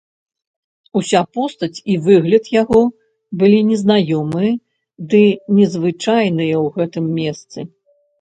Уся постаць і выгляд яго былі незнаёмыя ды незвычайныя ў гэтым месцы.